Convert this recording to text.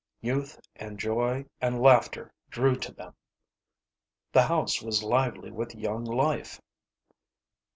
Youth and joy and laughter drew to them. The house was lively with young life.